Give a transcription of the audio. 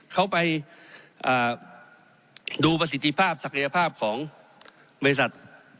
เขาไปดูประสิทธิภาพศักยภาพของบริษัท